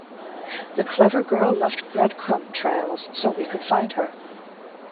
The clever girl left breadcrumb trails so we could find her.